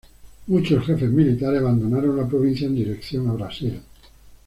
Muchos jefes militares abandonaron la provincia en dirección a Brasil.